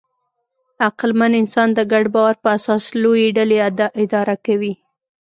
عقلمن انسان د ګډ باور په اساس لویې ډلې اداره کوي.